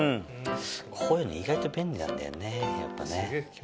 こういうの意外と便利なんだよねやっぱね。